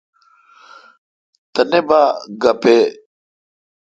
تینا پا گییں۔